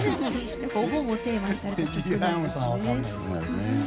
お盆をテーマにされているんですね。